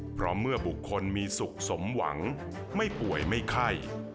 เพราะเมื่อบุคคลมีสุขสมหวังไม่ป่วยไม่ไข้